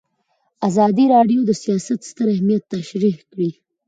ازادي راډیو د سیاست ستر اهميت تشریح کړی.